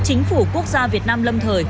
chính phủ quốc gia việt nam lâm thời